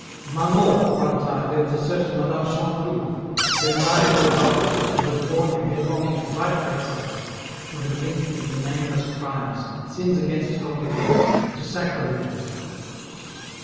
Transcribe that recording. Among all, at one time, there was a certain Mme. Chantelouve, a demoniacal adulteress who had drawn him headlong into frightful excesses, who had linked him to nameiess crimes, sins against holy things, tO sacrileges.